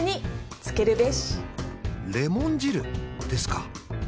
レモン汁ですか？